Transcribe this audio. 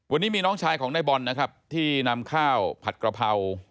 วันนี้มีน้องชายของนายบอลนะครับที่นำข้าวผัดกระเพรา